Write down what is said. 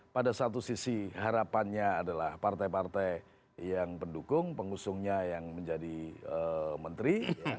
pada satu sisi harapannya adalah partai partai yang pendukung pengusungnya yang menjadi menteri